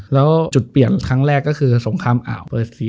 แล้วจุดเปลี่ยนทั้งแรกก็คือสมคัมอ่าวเบอเซีย